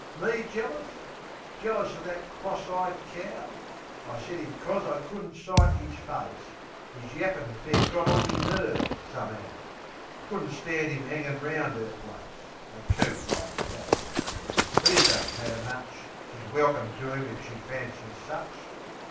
Me jealous? Jealous of that cross eyed cow! I set 'im 'cos I couldn't sight 'is face. 'Is yappin' fair got on me nerves, some'ow. I couldn't stand 'im 'angin' round 'er place. A coot like that!...But it don't matter much, She's welkim to 'im if she fancies such.